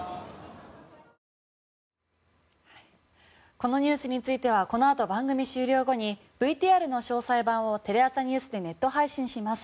このニュースについてはこの後、番組終了後にＶＴＲの詳細版をテレ朝ｎｅｗｓでネット配信します。